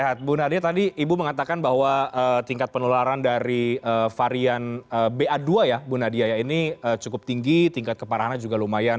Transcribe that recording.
sehat bu nadia tadi ibu mengatakan bahwa tingkat penularan dari varian ba dua ya bu nadia ya ini cukup tinggi tingkat keparahannya juga lumayan